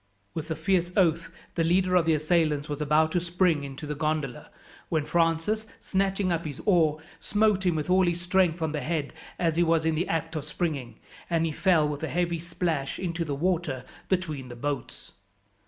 With a fierce oath the leader of the assailants was about to spring into the gondola, when Francis, snatching up his oar, smote him with all his strength on the head as he was in the act of springing, and he fell with a heavy splash into the water between the boats.